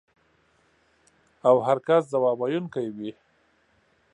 او هر کس ځواب ویونکی وي.